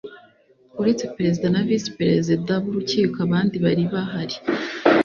uretse perezida na visi perezida b’ urukiko abandi bari bahari.